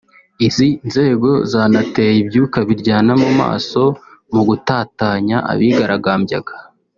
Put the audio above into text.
izi nzego zanateye ibyuka biryana mu maso mu gutatanya abigaragambyaga